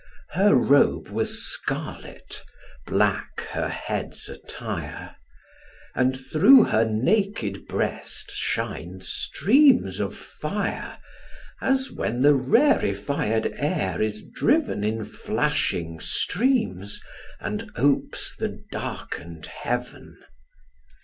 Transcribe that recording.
Her robe was scarlet; black her head's attire; And through her naked breast shin'd streams of fire, As when the rarified air is driven In flashing streams, and opes the darken'd heaven.